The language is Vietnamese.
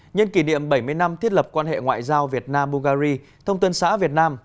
nhân kỷ niệm bảy mươi năm thiết lập quan hệ ngoại giao việt nam bulgari thông tân xã việt nam